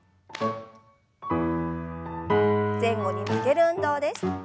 前後に曲げる運動です。